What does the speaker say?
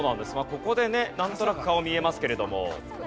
ここでねなんとなく顔見えますけれども。